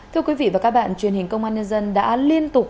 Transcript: thưa quý vị và các bạn truyền hình công an nhân dân đã liên tục